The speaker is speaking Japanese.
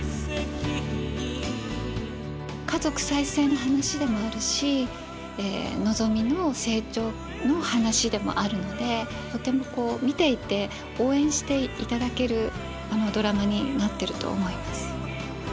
家族再生の話でもあるしのぞみの成長の話でもあるのでとてもこう見ていて応援していただけるドラマになってると思います。